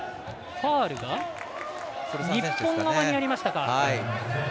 ファウルが日本側にありましたか。